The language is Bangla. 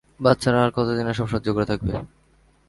বাচ্চারা আর কতদিন এসব সহ্য করে থাকবে?